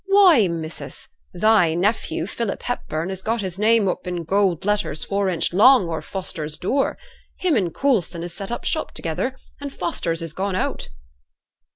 'Why, missus, thy nephew, Philip Hepburn, has got his name up i' gold letters four inch long o'er Fosters' door! Him and Coulson has set up shop together, and Fosters is gone out!'